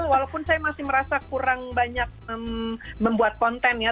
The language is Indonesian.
walaupun saya masih merasa kurang banyak membuat konten ya